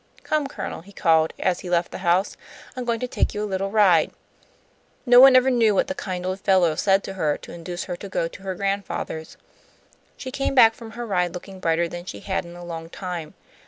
"Come, Colonel," he called, as he left the house. "I'm going to take you a little ride." No one ever knew what the kind old fellow said to her to induce her to go to her grandfather's. She came back from her ride looking brighter than she had in a long time.